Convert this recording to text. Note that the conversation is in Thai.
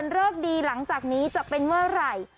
เลิกดีหลังจากนี้จะเป็นเมื่อไหร่